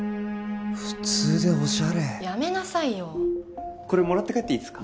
普通でオシャレやめなさいよもらって帰っていいですか？